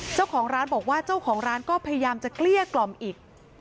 เจ้าของร้านบอกว่าเจ้าของร้านก็พยายามจะเกลี้ยกล่อมอีก